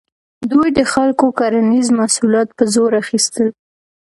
دوی د خلکو کرنیز محصولات په زور اخیستل.